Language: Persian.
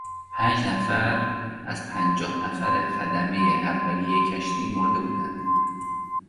پنچ نفر از پنجاه نفر خدمهی اولیهی کشتی مرده بودند.